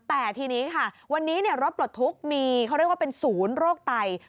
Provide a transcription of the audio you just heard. แต่ทีนี้ค่ะวันนี้รถปลดทุกข์มีเขาเรียกว่าเป็นศูนย์โรคไต